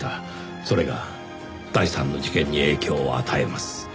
それが第三の事件に影響を与えます。